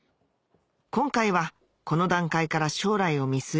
今回はこの段階から将来を見据え